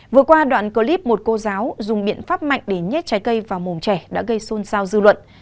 vừa qua đoạn clip một cô giáo dùng biện pháp mạnh để nhét trái cây vào mồm trẻ đã gây xôn xao dư luận